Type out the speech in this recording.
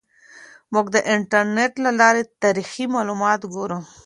موږ د انټرنیټ له لارې تاریخي معلومات ګورو.